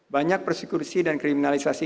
banyak persekusi dan kriminalisasi